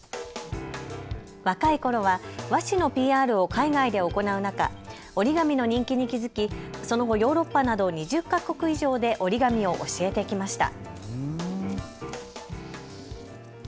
若いころは和紙のＰＲを海外で行う中、折り紙の人気に気付き、その後、ヨーロッパなど２０か国以上で折り紙を教えてきました。